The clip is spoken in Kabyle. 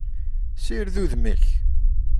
Sired udem-ik!